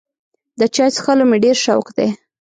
د چای څښلو مې ډېر شوق دی.